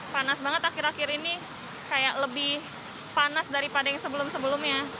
panas banget akhir akhir ini kayak lebih panas daripada yang sebelum sebelumnya